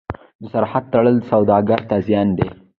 د سرحدونو تړل سوداګر ته زیان دی.